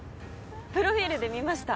プロフィールで見ました。